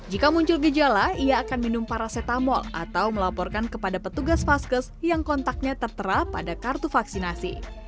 jika muncul gejala ia akan minum paracetamol atau melaporkan kepada petugas vaskes yang kontaknya tertera pada kartu vaksinasi